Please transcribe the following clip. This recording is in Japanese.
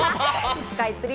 スカイトゥリー。